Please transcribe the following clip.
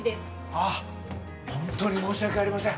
あっホントに申し訳ありません